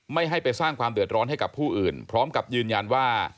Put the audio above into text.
ไม่ให้ไปสร้างความเดือดร้อนให้กับผู้อื่นพร้อมกับยืนยันว่า